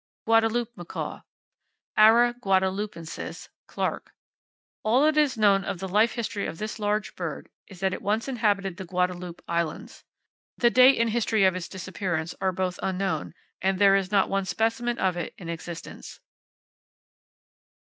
Guadeloupe Macaw, —Ara guadeloupensis, (Clark).—All that is known of the life history of this large bird is that once it inhabited the Guadeloupe Islands. The date and history of its disappearance are both unknown, and there is not one specimen of it in existence.